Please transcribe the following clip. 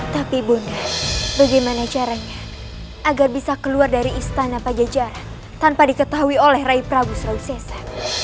tapi bunda bagaimana caranya agar bisa keluar dari istana pada jajaran tanpa diketahui oleh rai prabu sosese